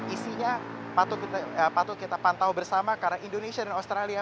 isinya patut kita pantau bersama karena indonesia dan australia